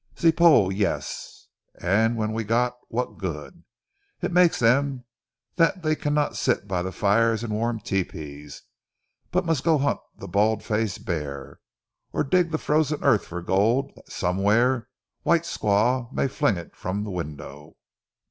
"Ze pole, yes! And when got, what good? It makes them dat they cannot sit by ze fires in warm tepees, but must go hunt ze bald faced bear, or dig ze frozen earth for gold dat somewhere white squaw may fling it from ze window."